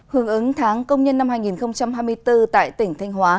hướng ứng tháng công nhân năm hai nghìn hai mươi bốn tại tỉnh thanh hóa